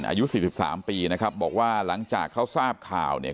อายุสี่สิบสามปีนะครับบอกว่าหลังจากเขาทราบข่าวเนี่ย